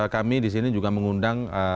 kami di sini juga mengundang